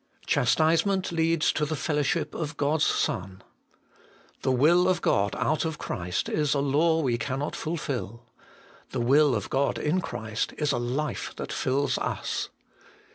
Chastisement leads to the fellowship of Gotfs Son. The will of God out of Christ is a law we cannot fulfil. The will of God in Christ is a life that fills us.